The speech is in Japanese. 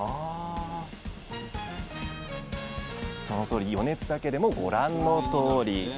そのとおり余熱だけでもご覧のとおり！